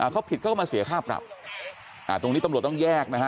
เขาผิดเขาก็มาเสียค่าปรับตรงนี้ตำรวจต้องแยกนะฮะ